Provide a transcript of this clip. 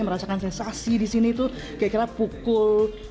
merasakan sensasi di sini tuh kayak pukul